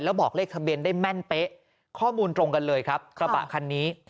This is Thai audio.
แล้วบอกเลขทะเบียนได้แม่นเป๊ะข้อมูลตรงกันเลยครับกระบะคันนี้